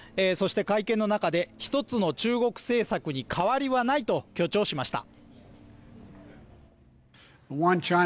会見の中で一つの中国政策に変わりはないと強調しました。